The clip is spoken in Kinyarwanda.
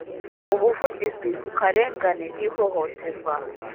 Ubuvugizi ku karengane n ihohoterwa